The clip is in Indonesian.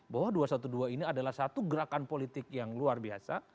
bahwa dua ratus dua belas ini adalah satu gerakan politik yang luar biasa